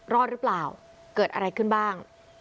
รอดหรือเปล่าเกิดอะไรขึ้นบ้าง